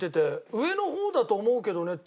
上の方だと思うけどねって。